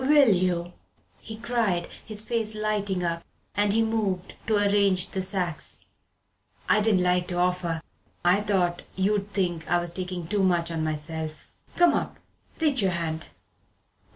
"Will you?" he cried, his face lighting up as he moved to arrange the sacks. "I didn't like to offer. I thought you'd think I was takin' too much on myself. Come up reach me your hand.